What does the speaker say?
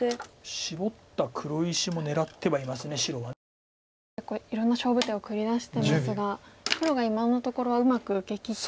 白が結構いろんな勝負手を繰り出してますが黒が今のところはうまく受けきっているような。